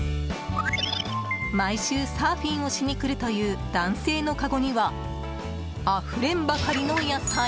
毎週サーフィンをしにくるという男性のかごにはあふれんばかりの野菜。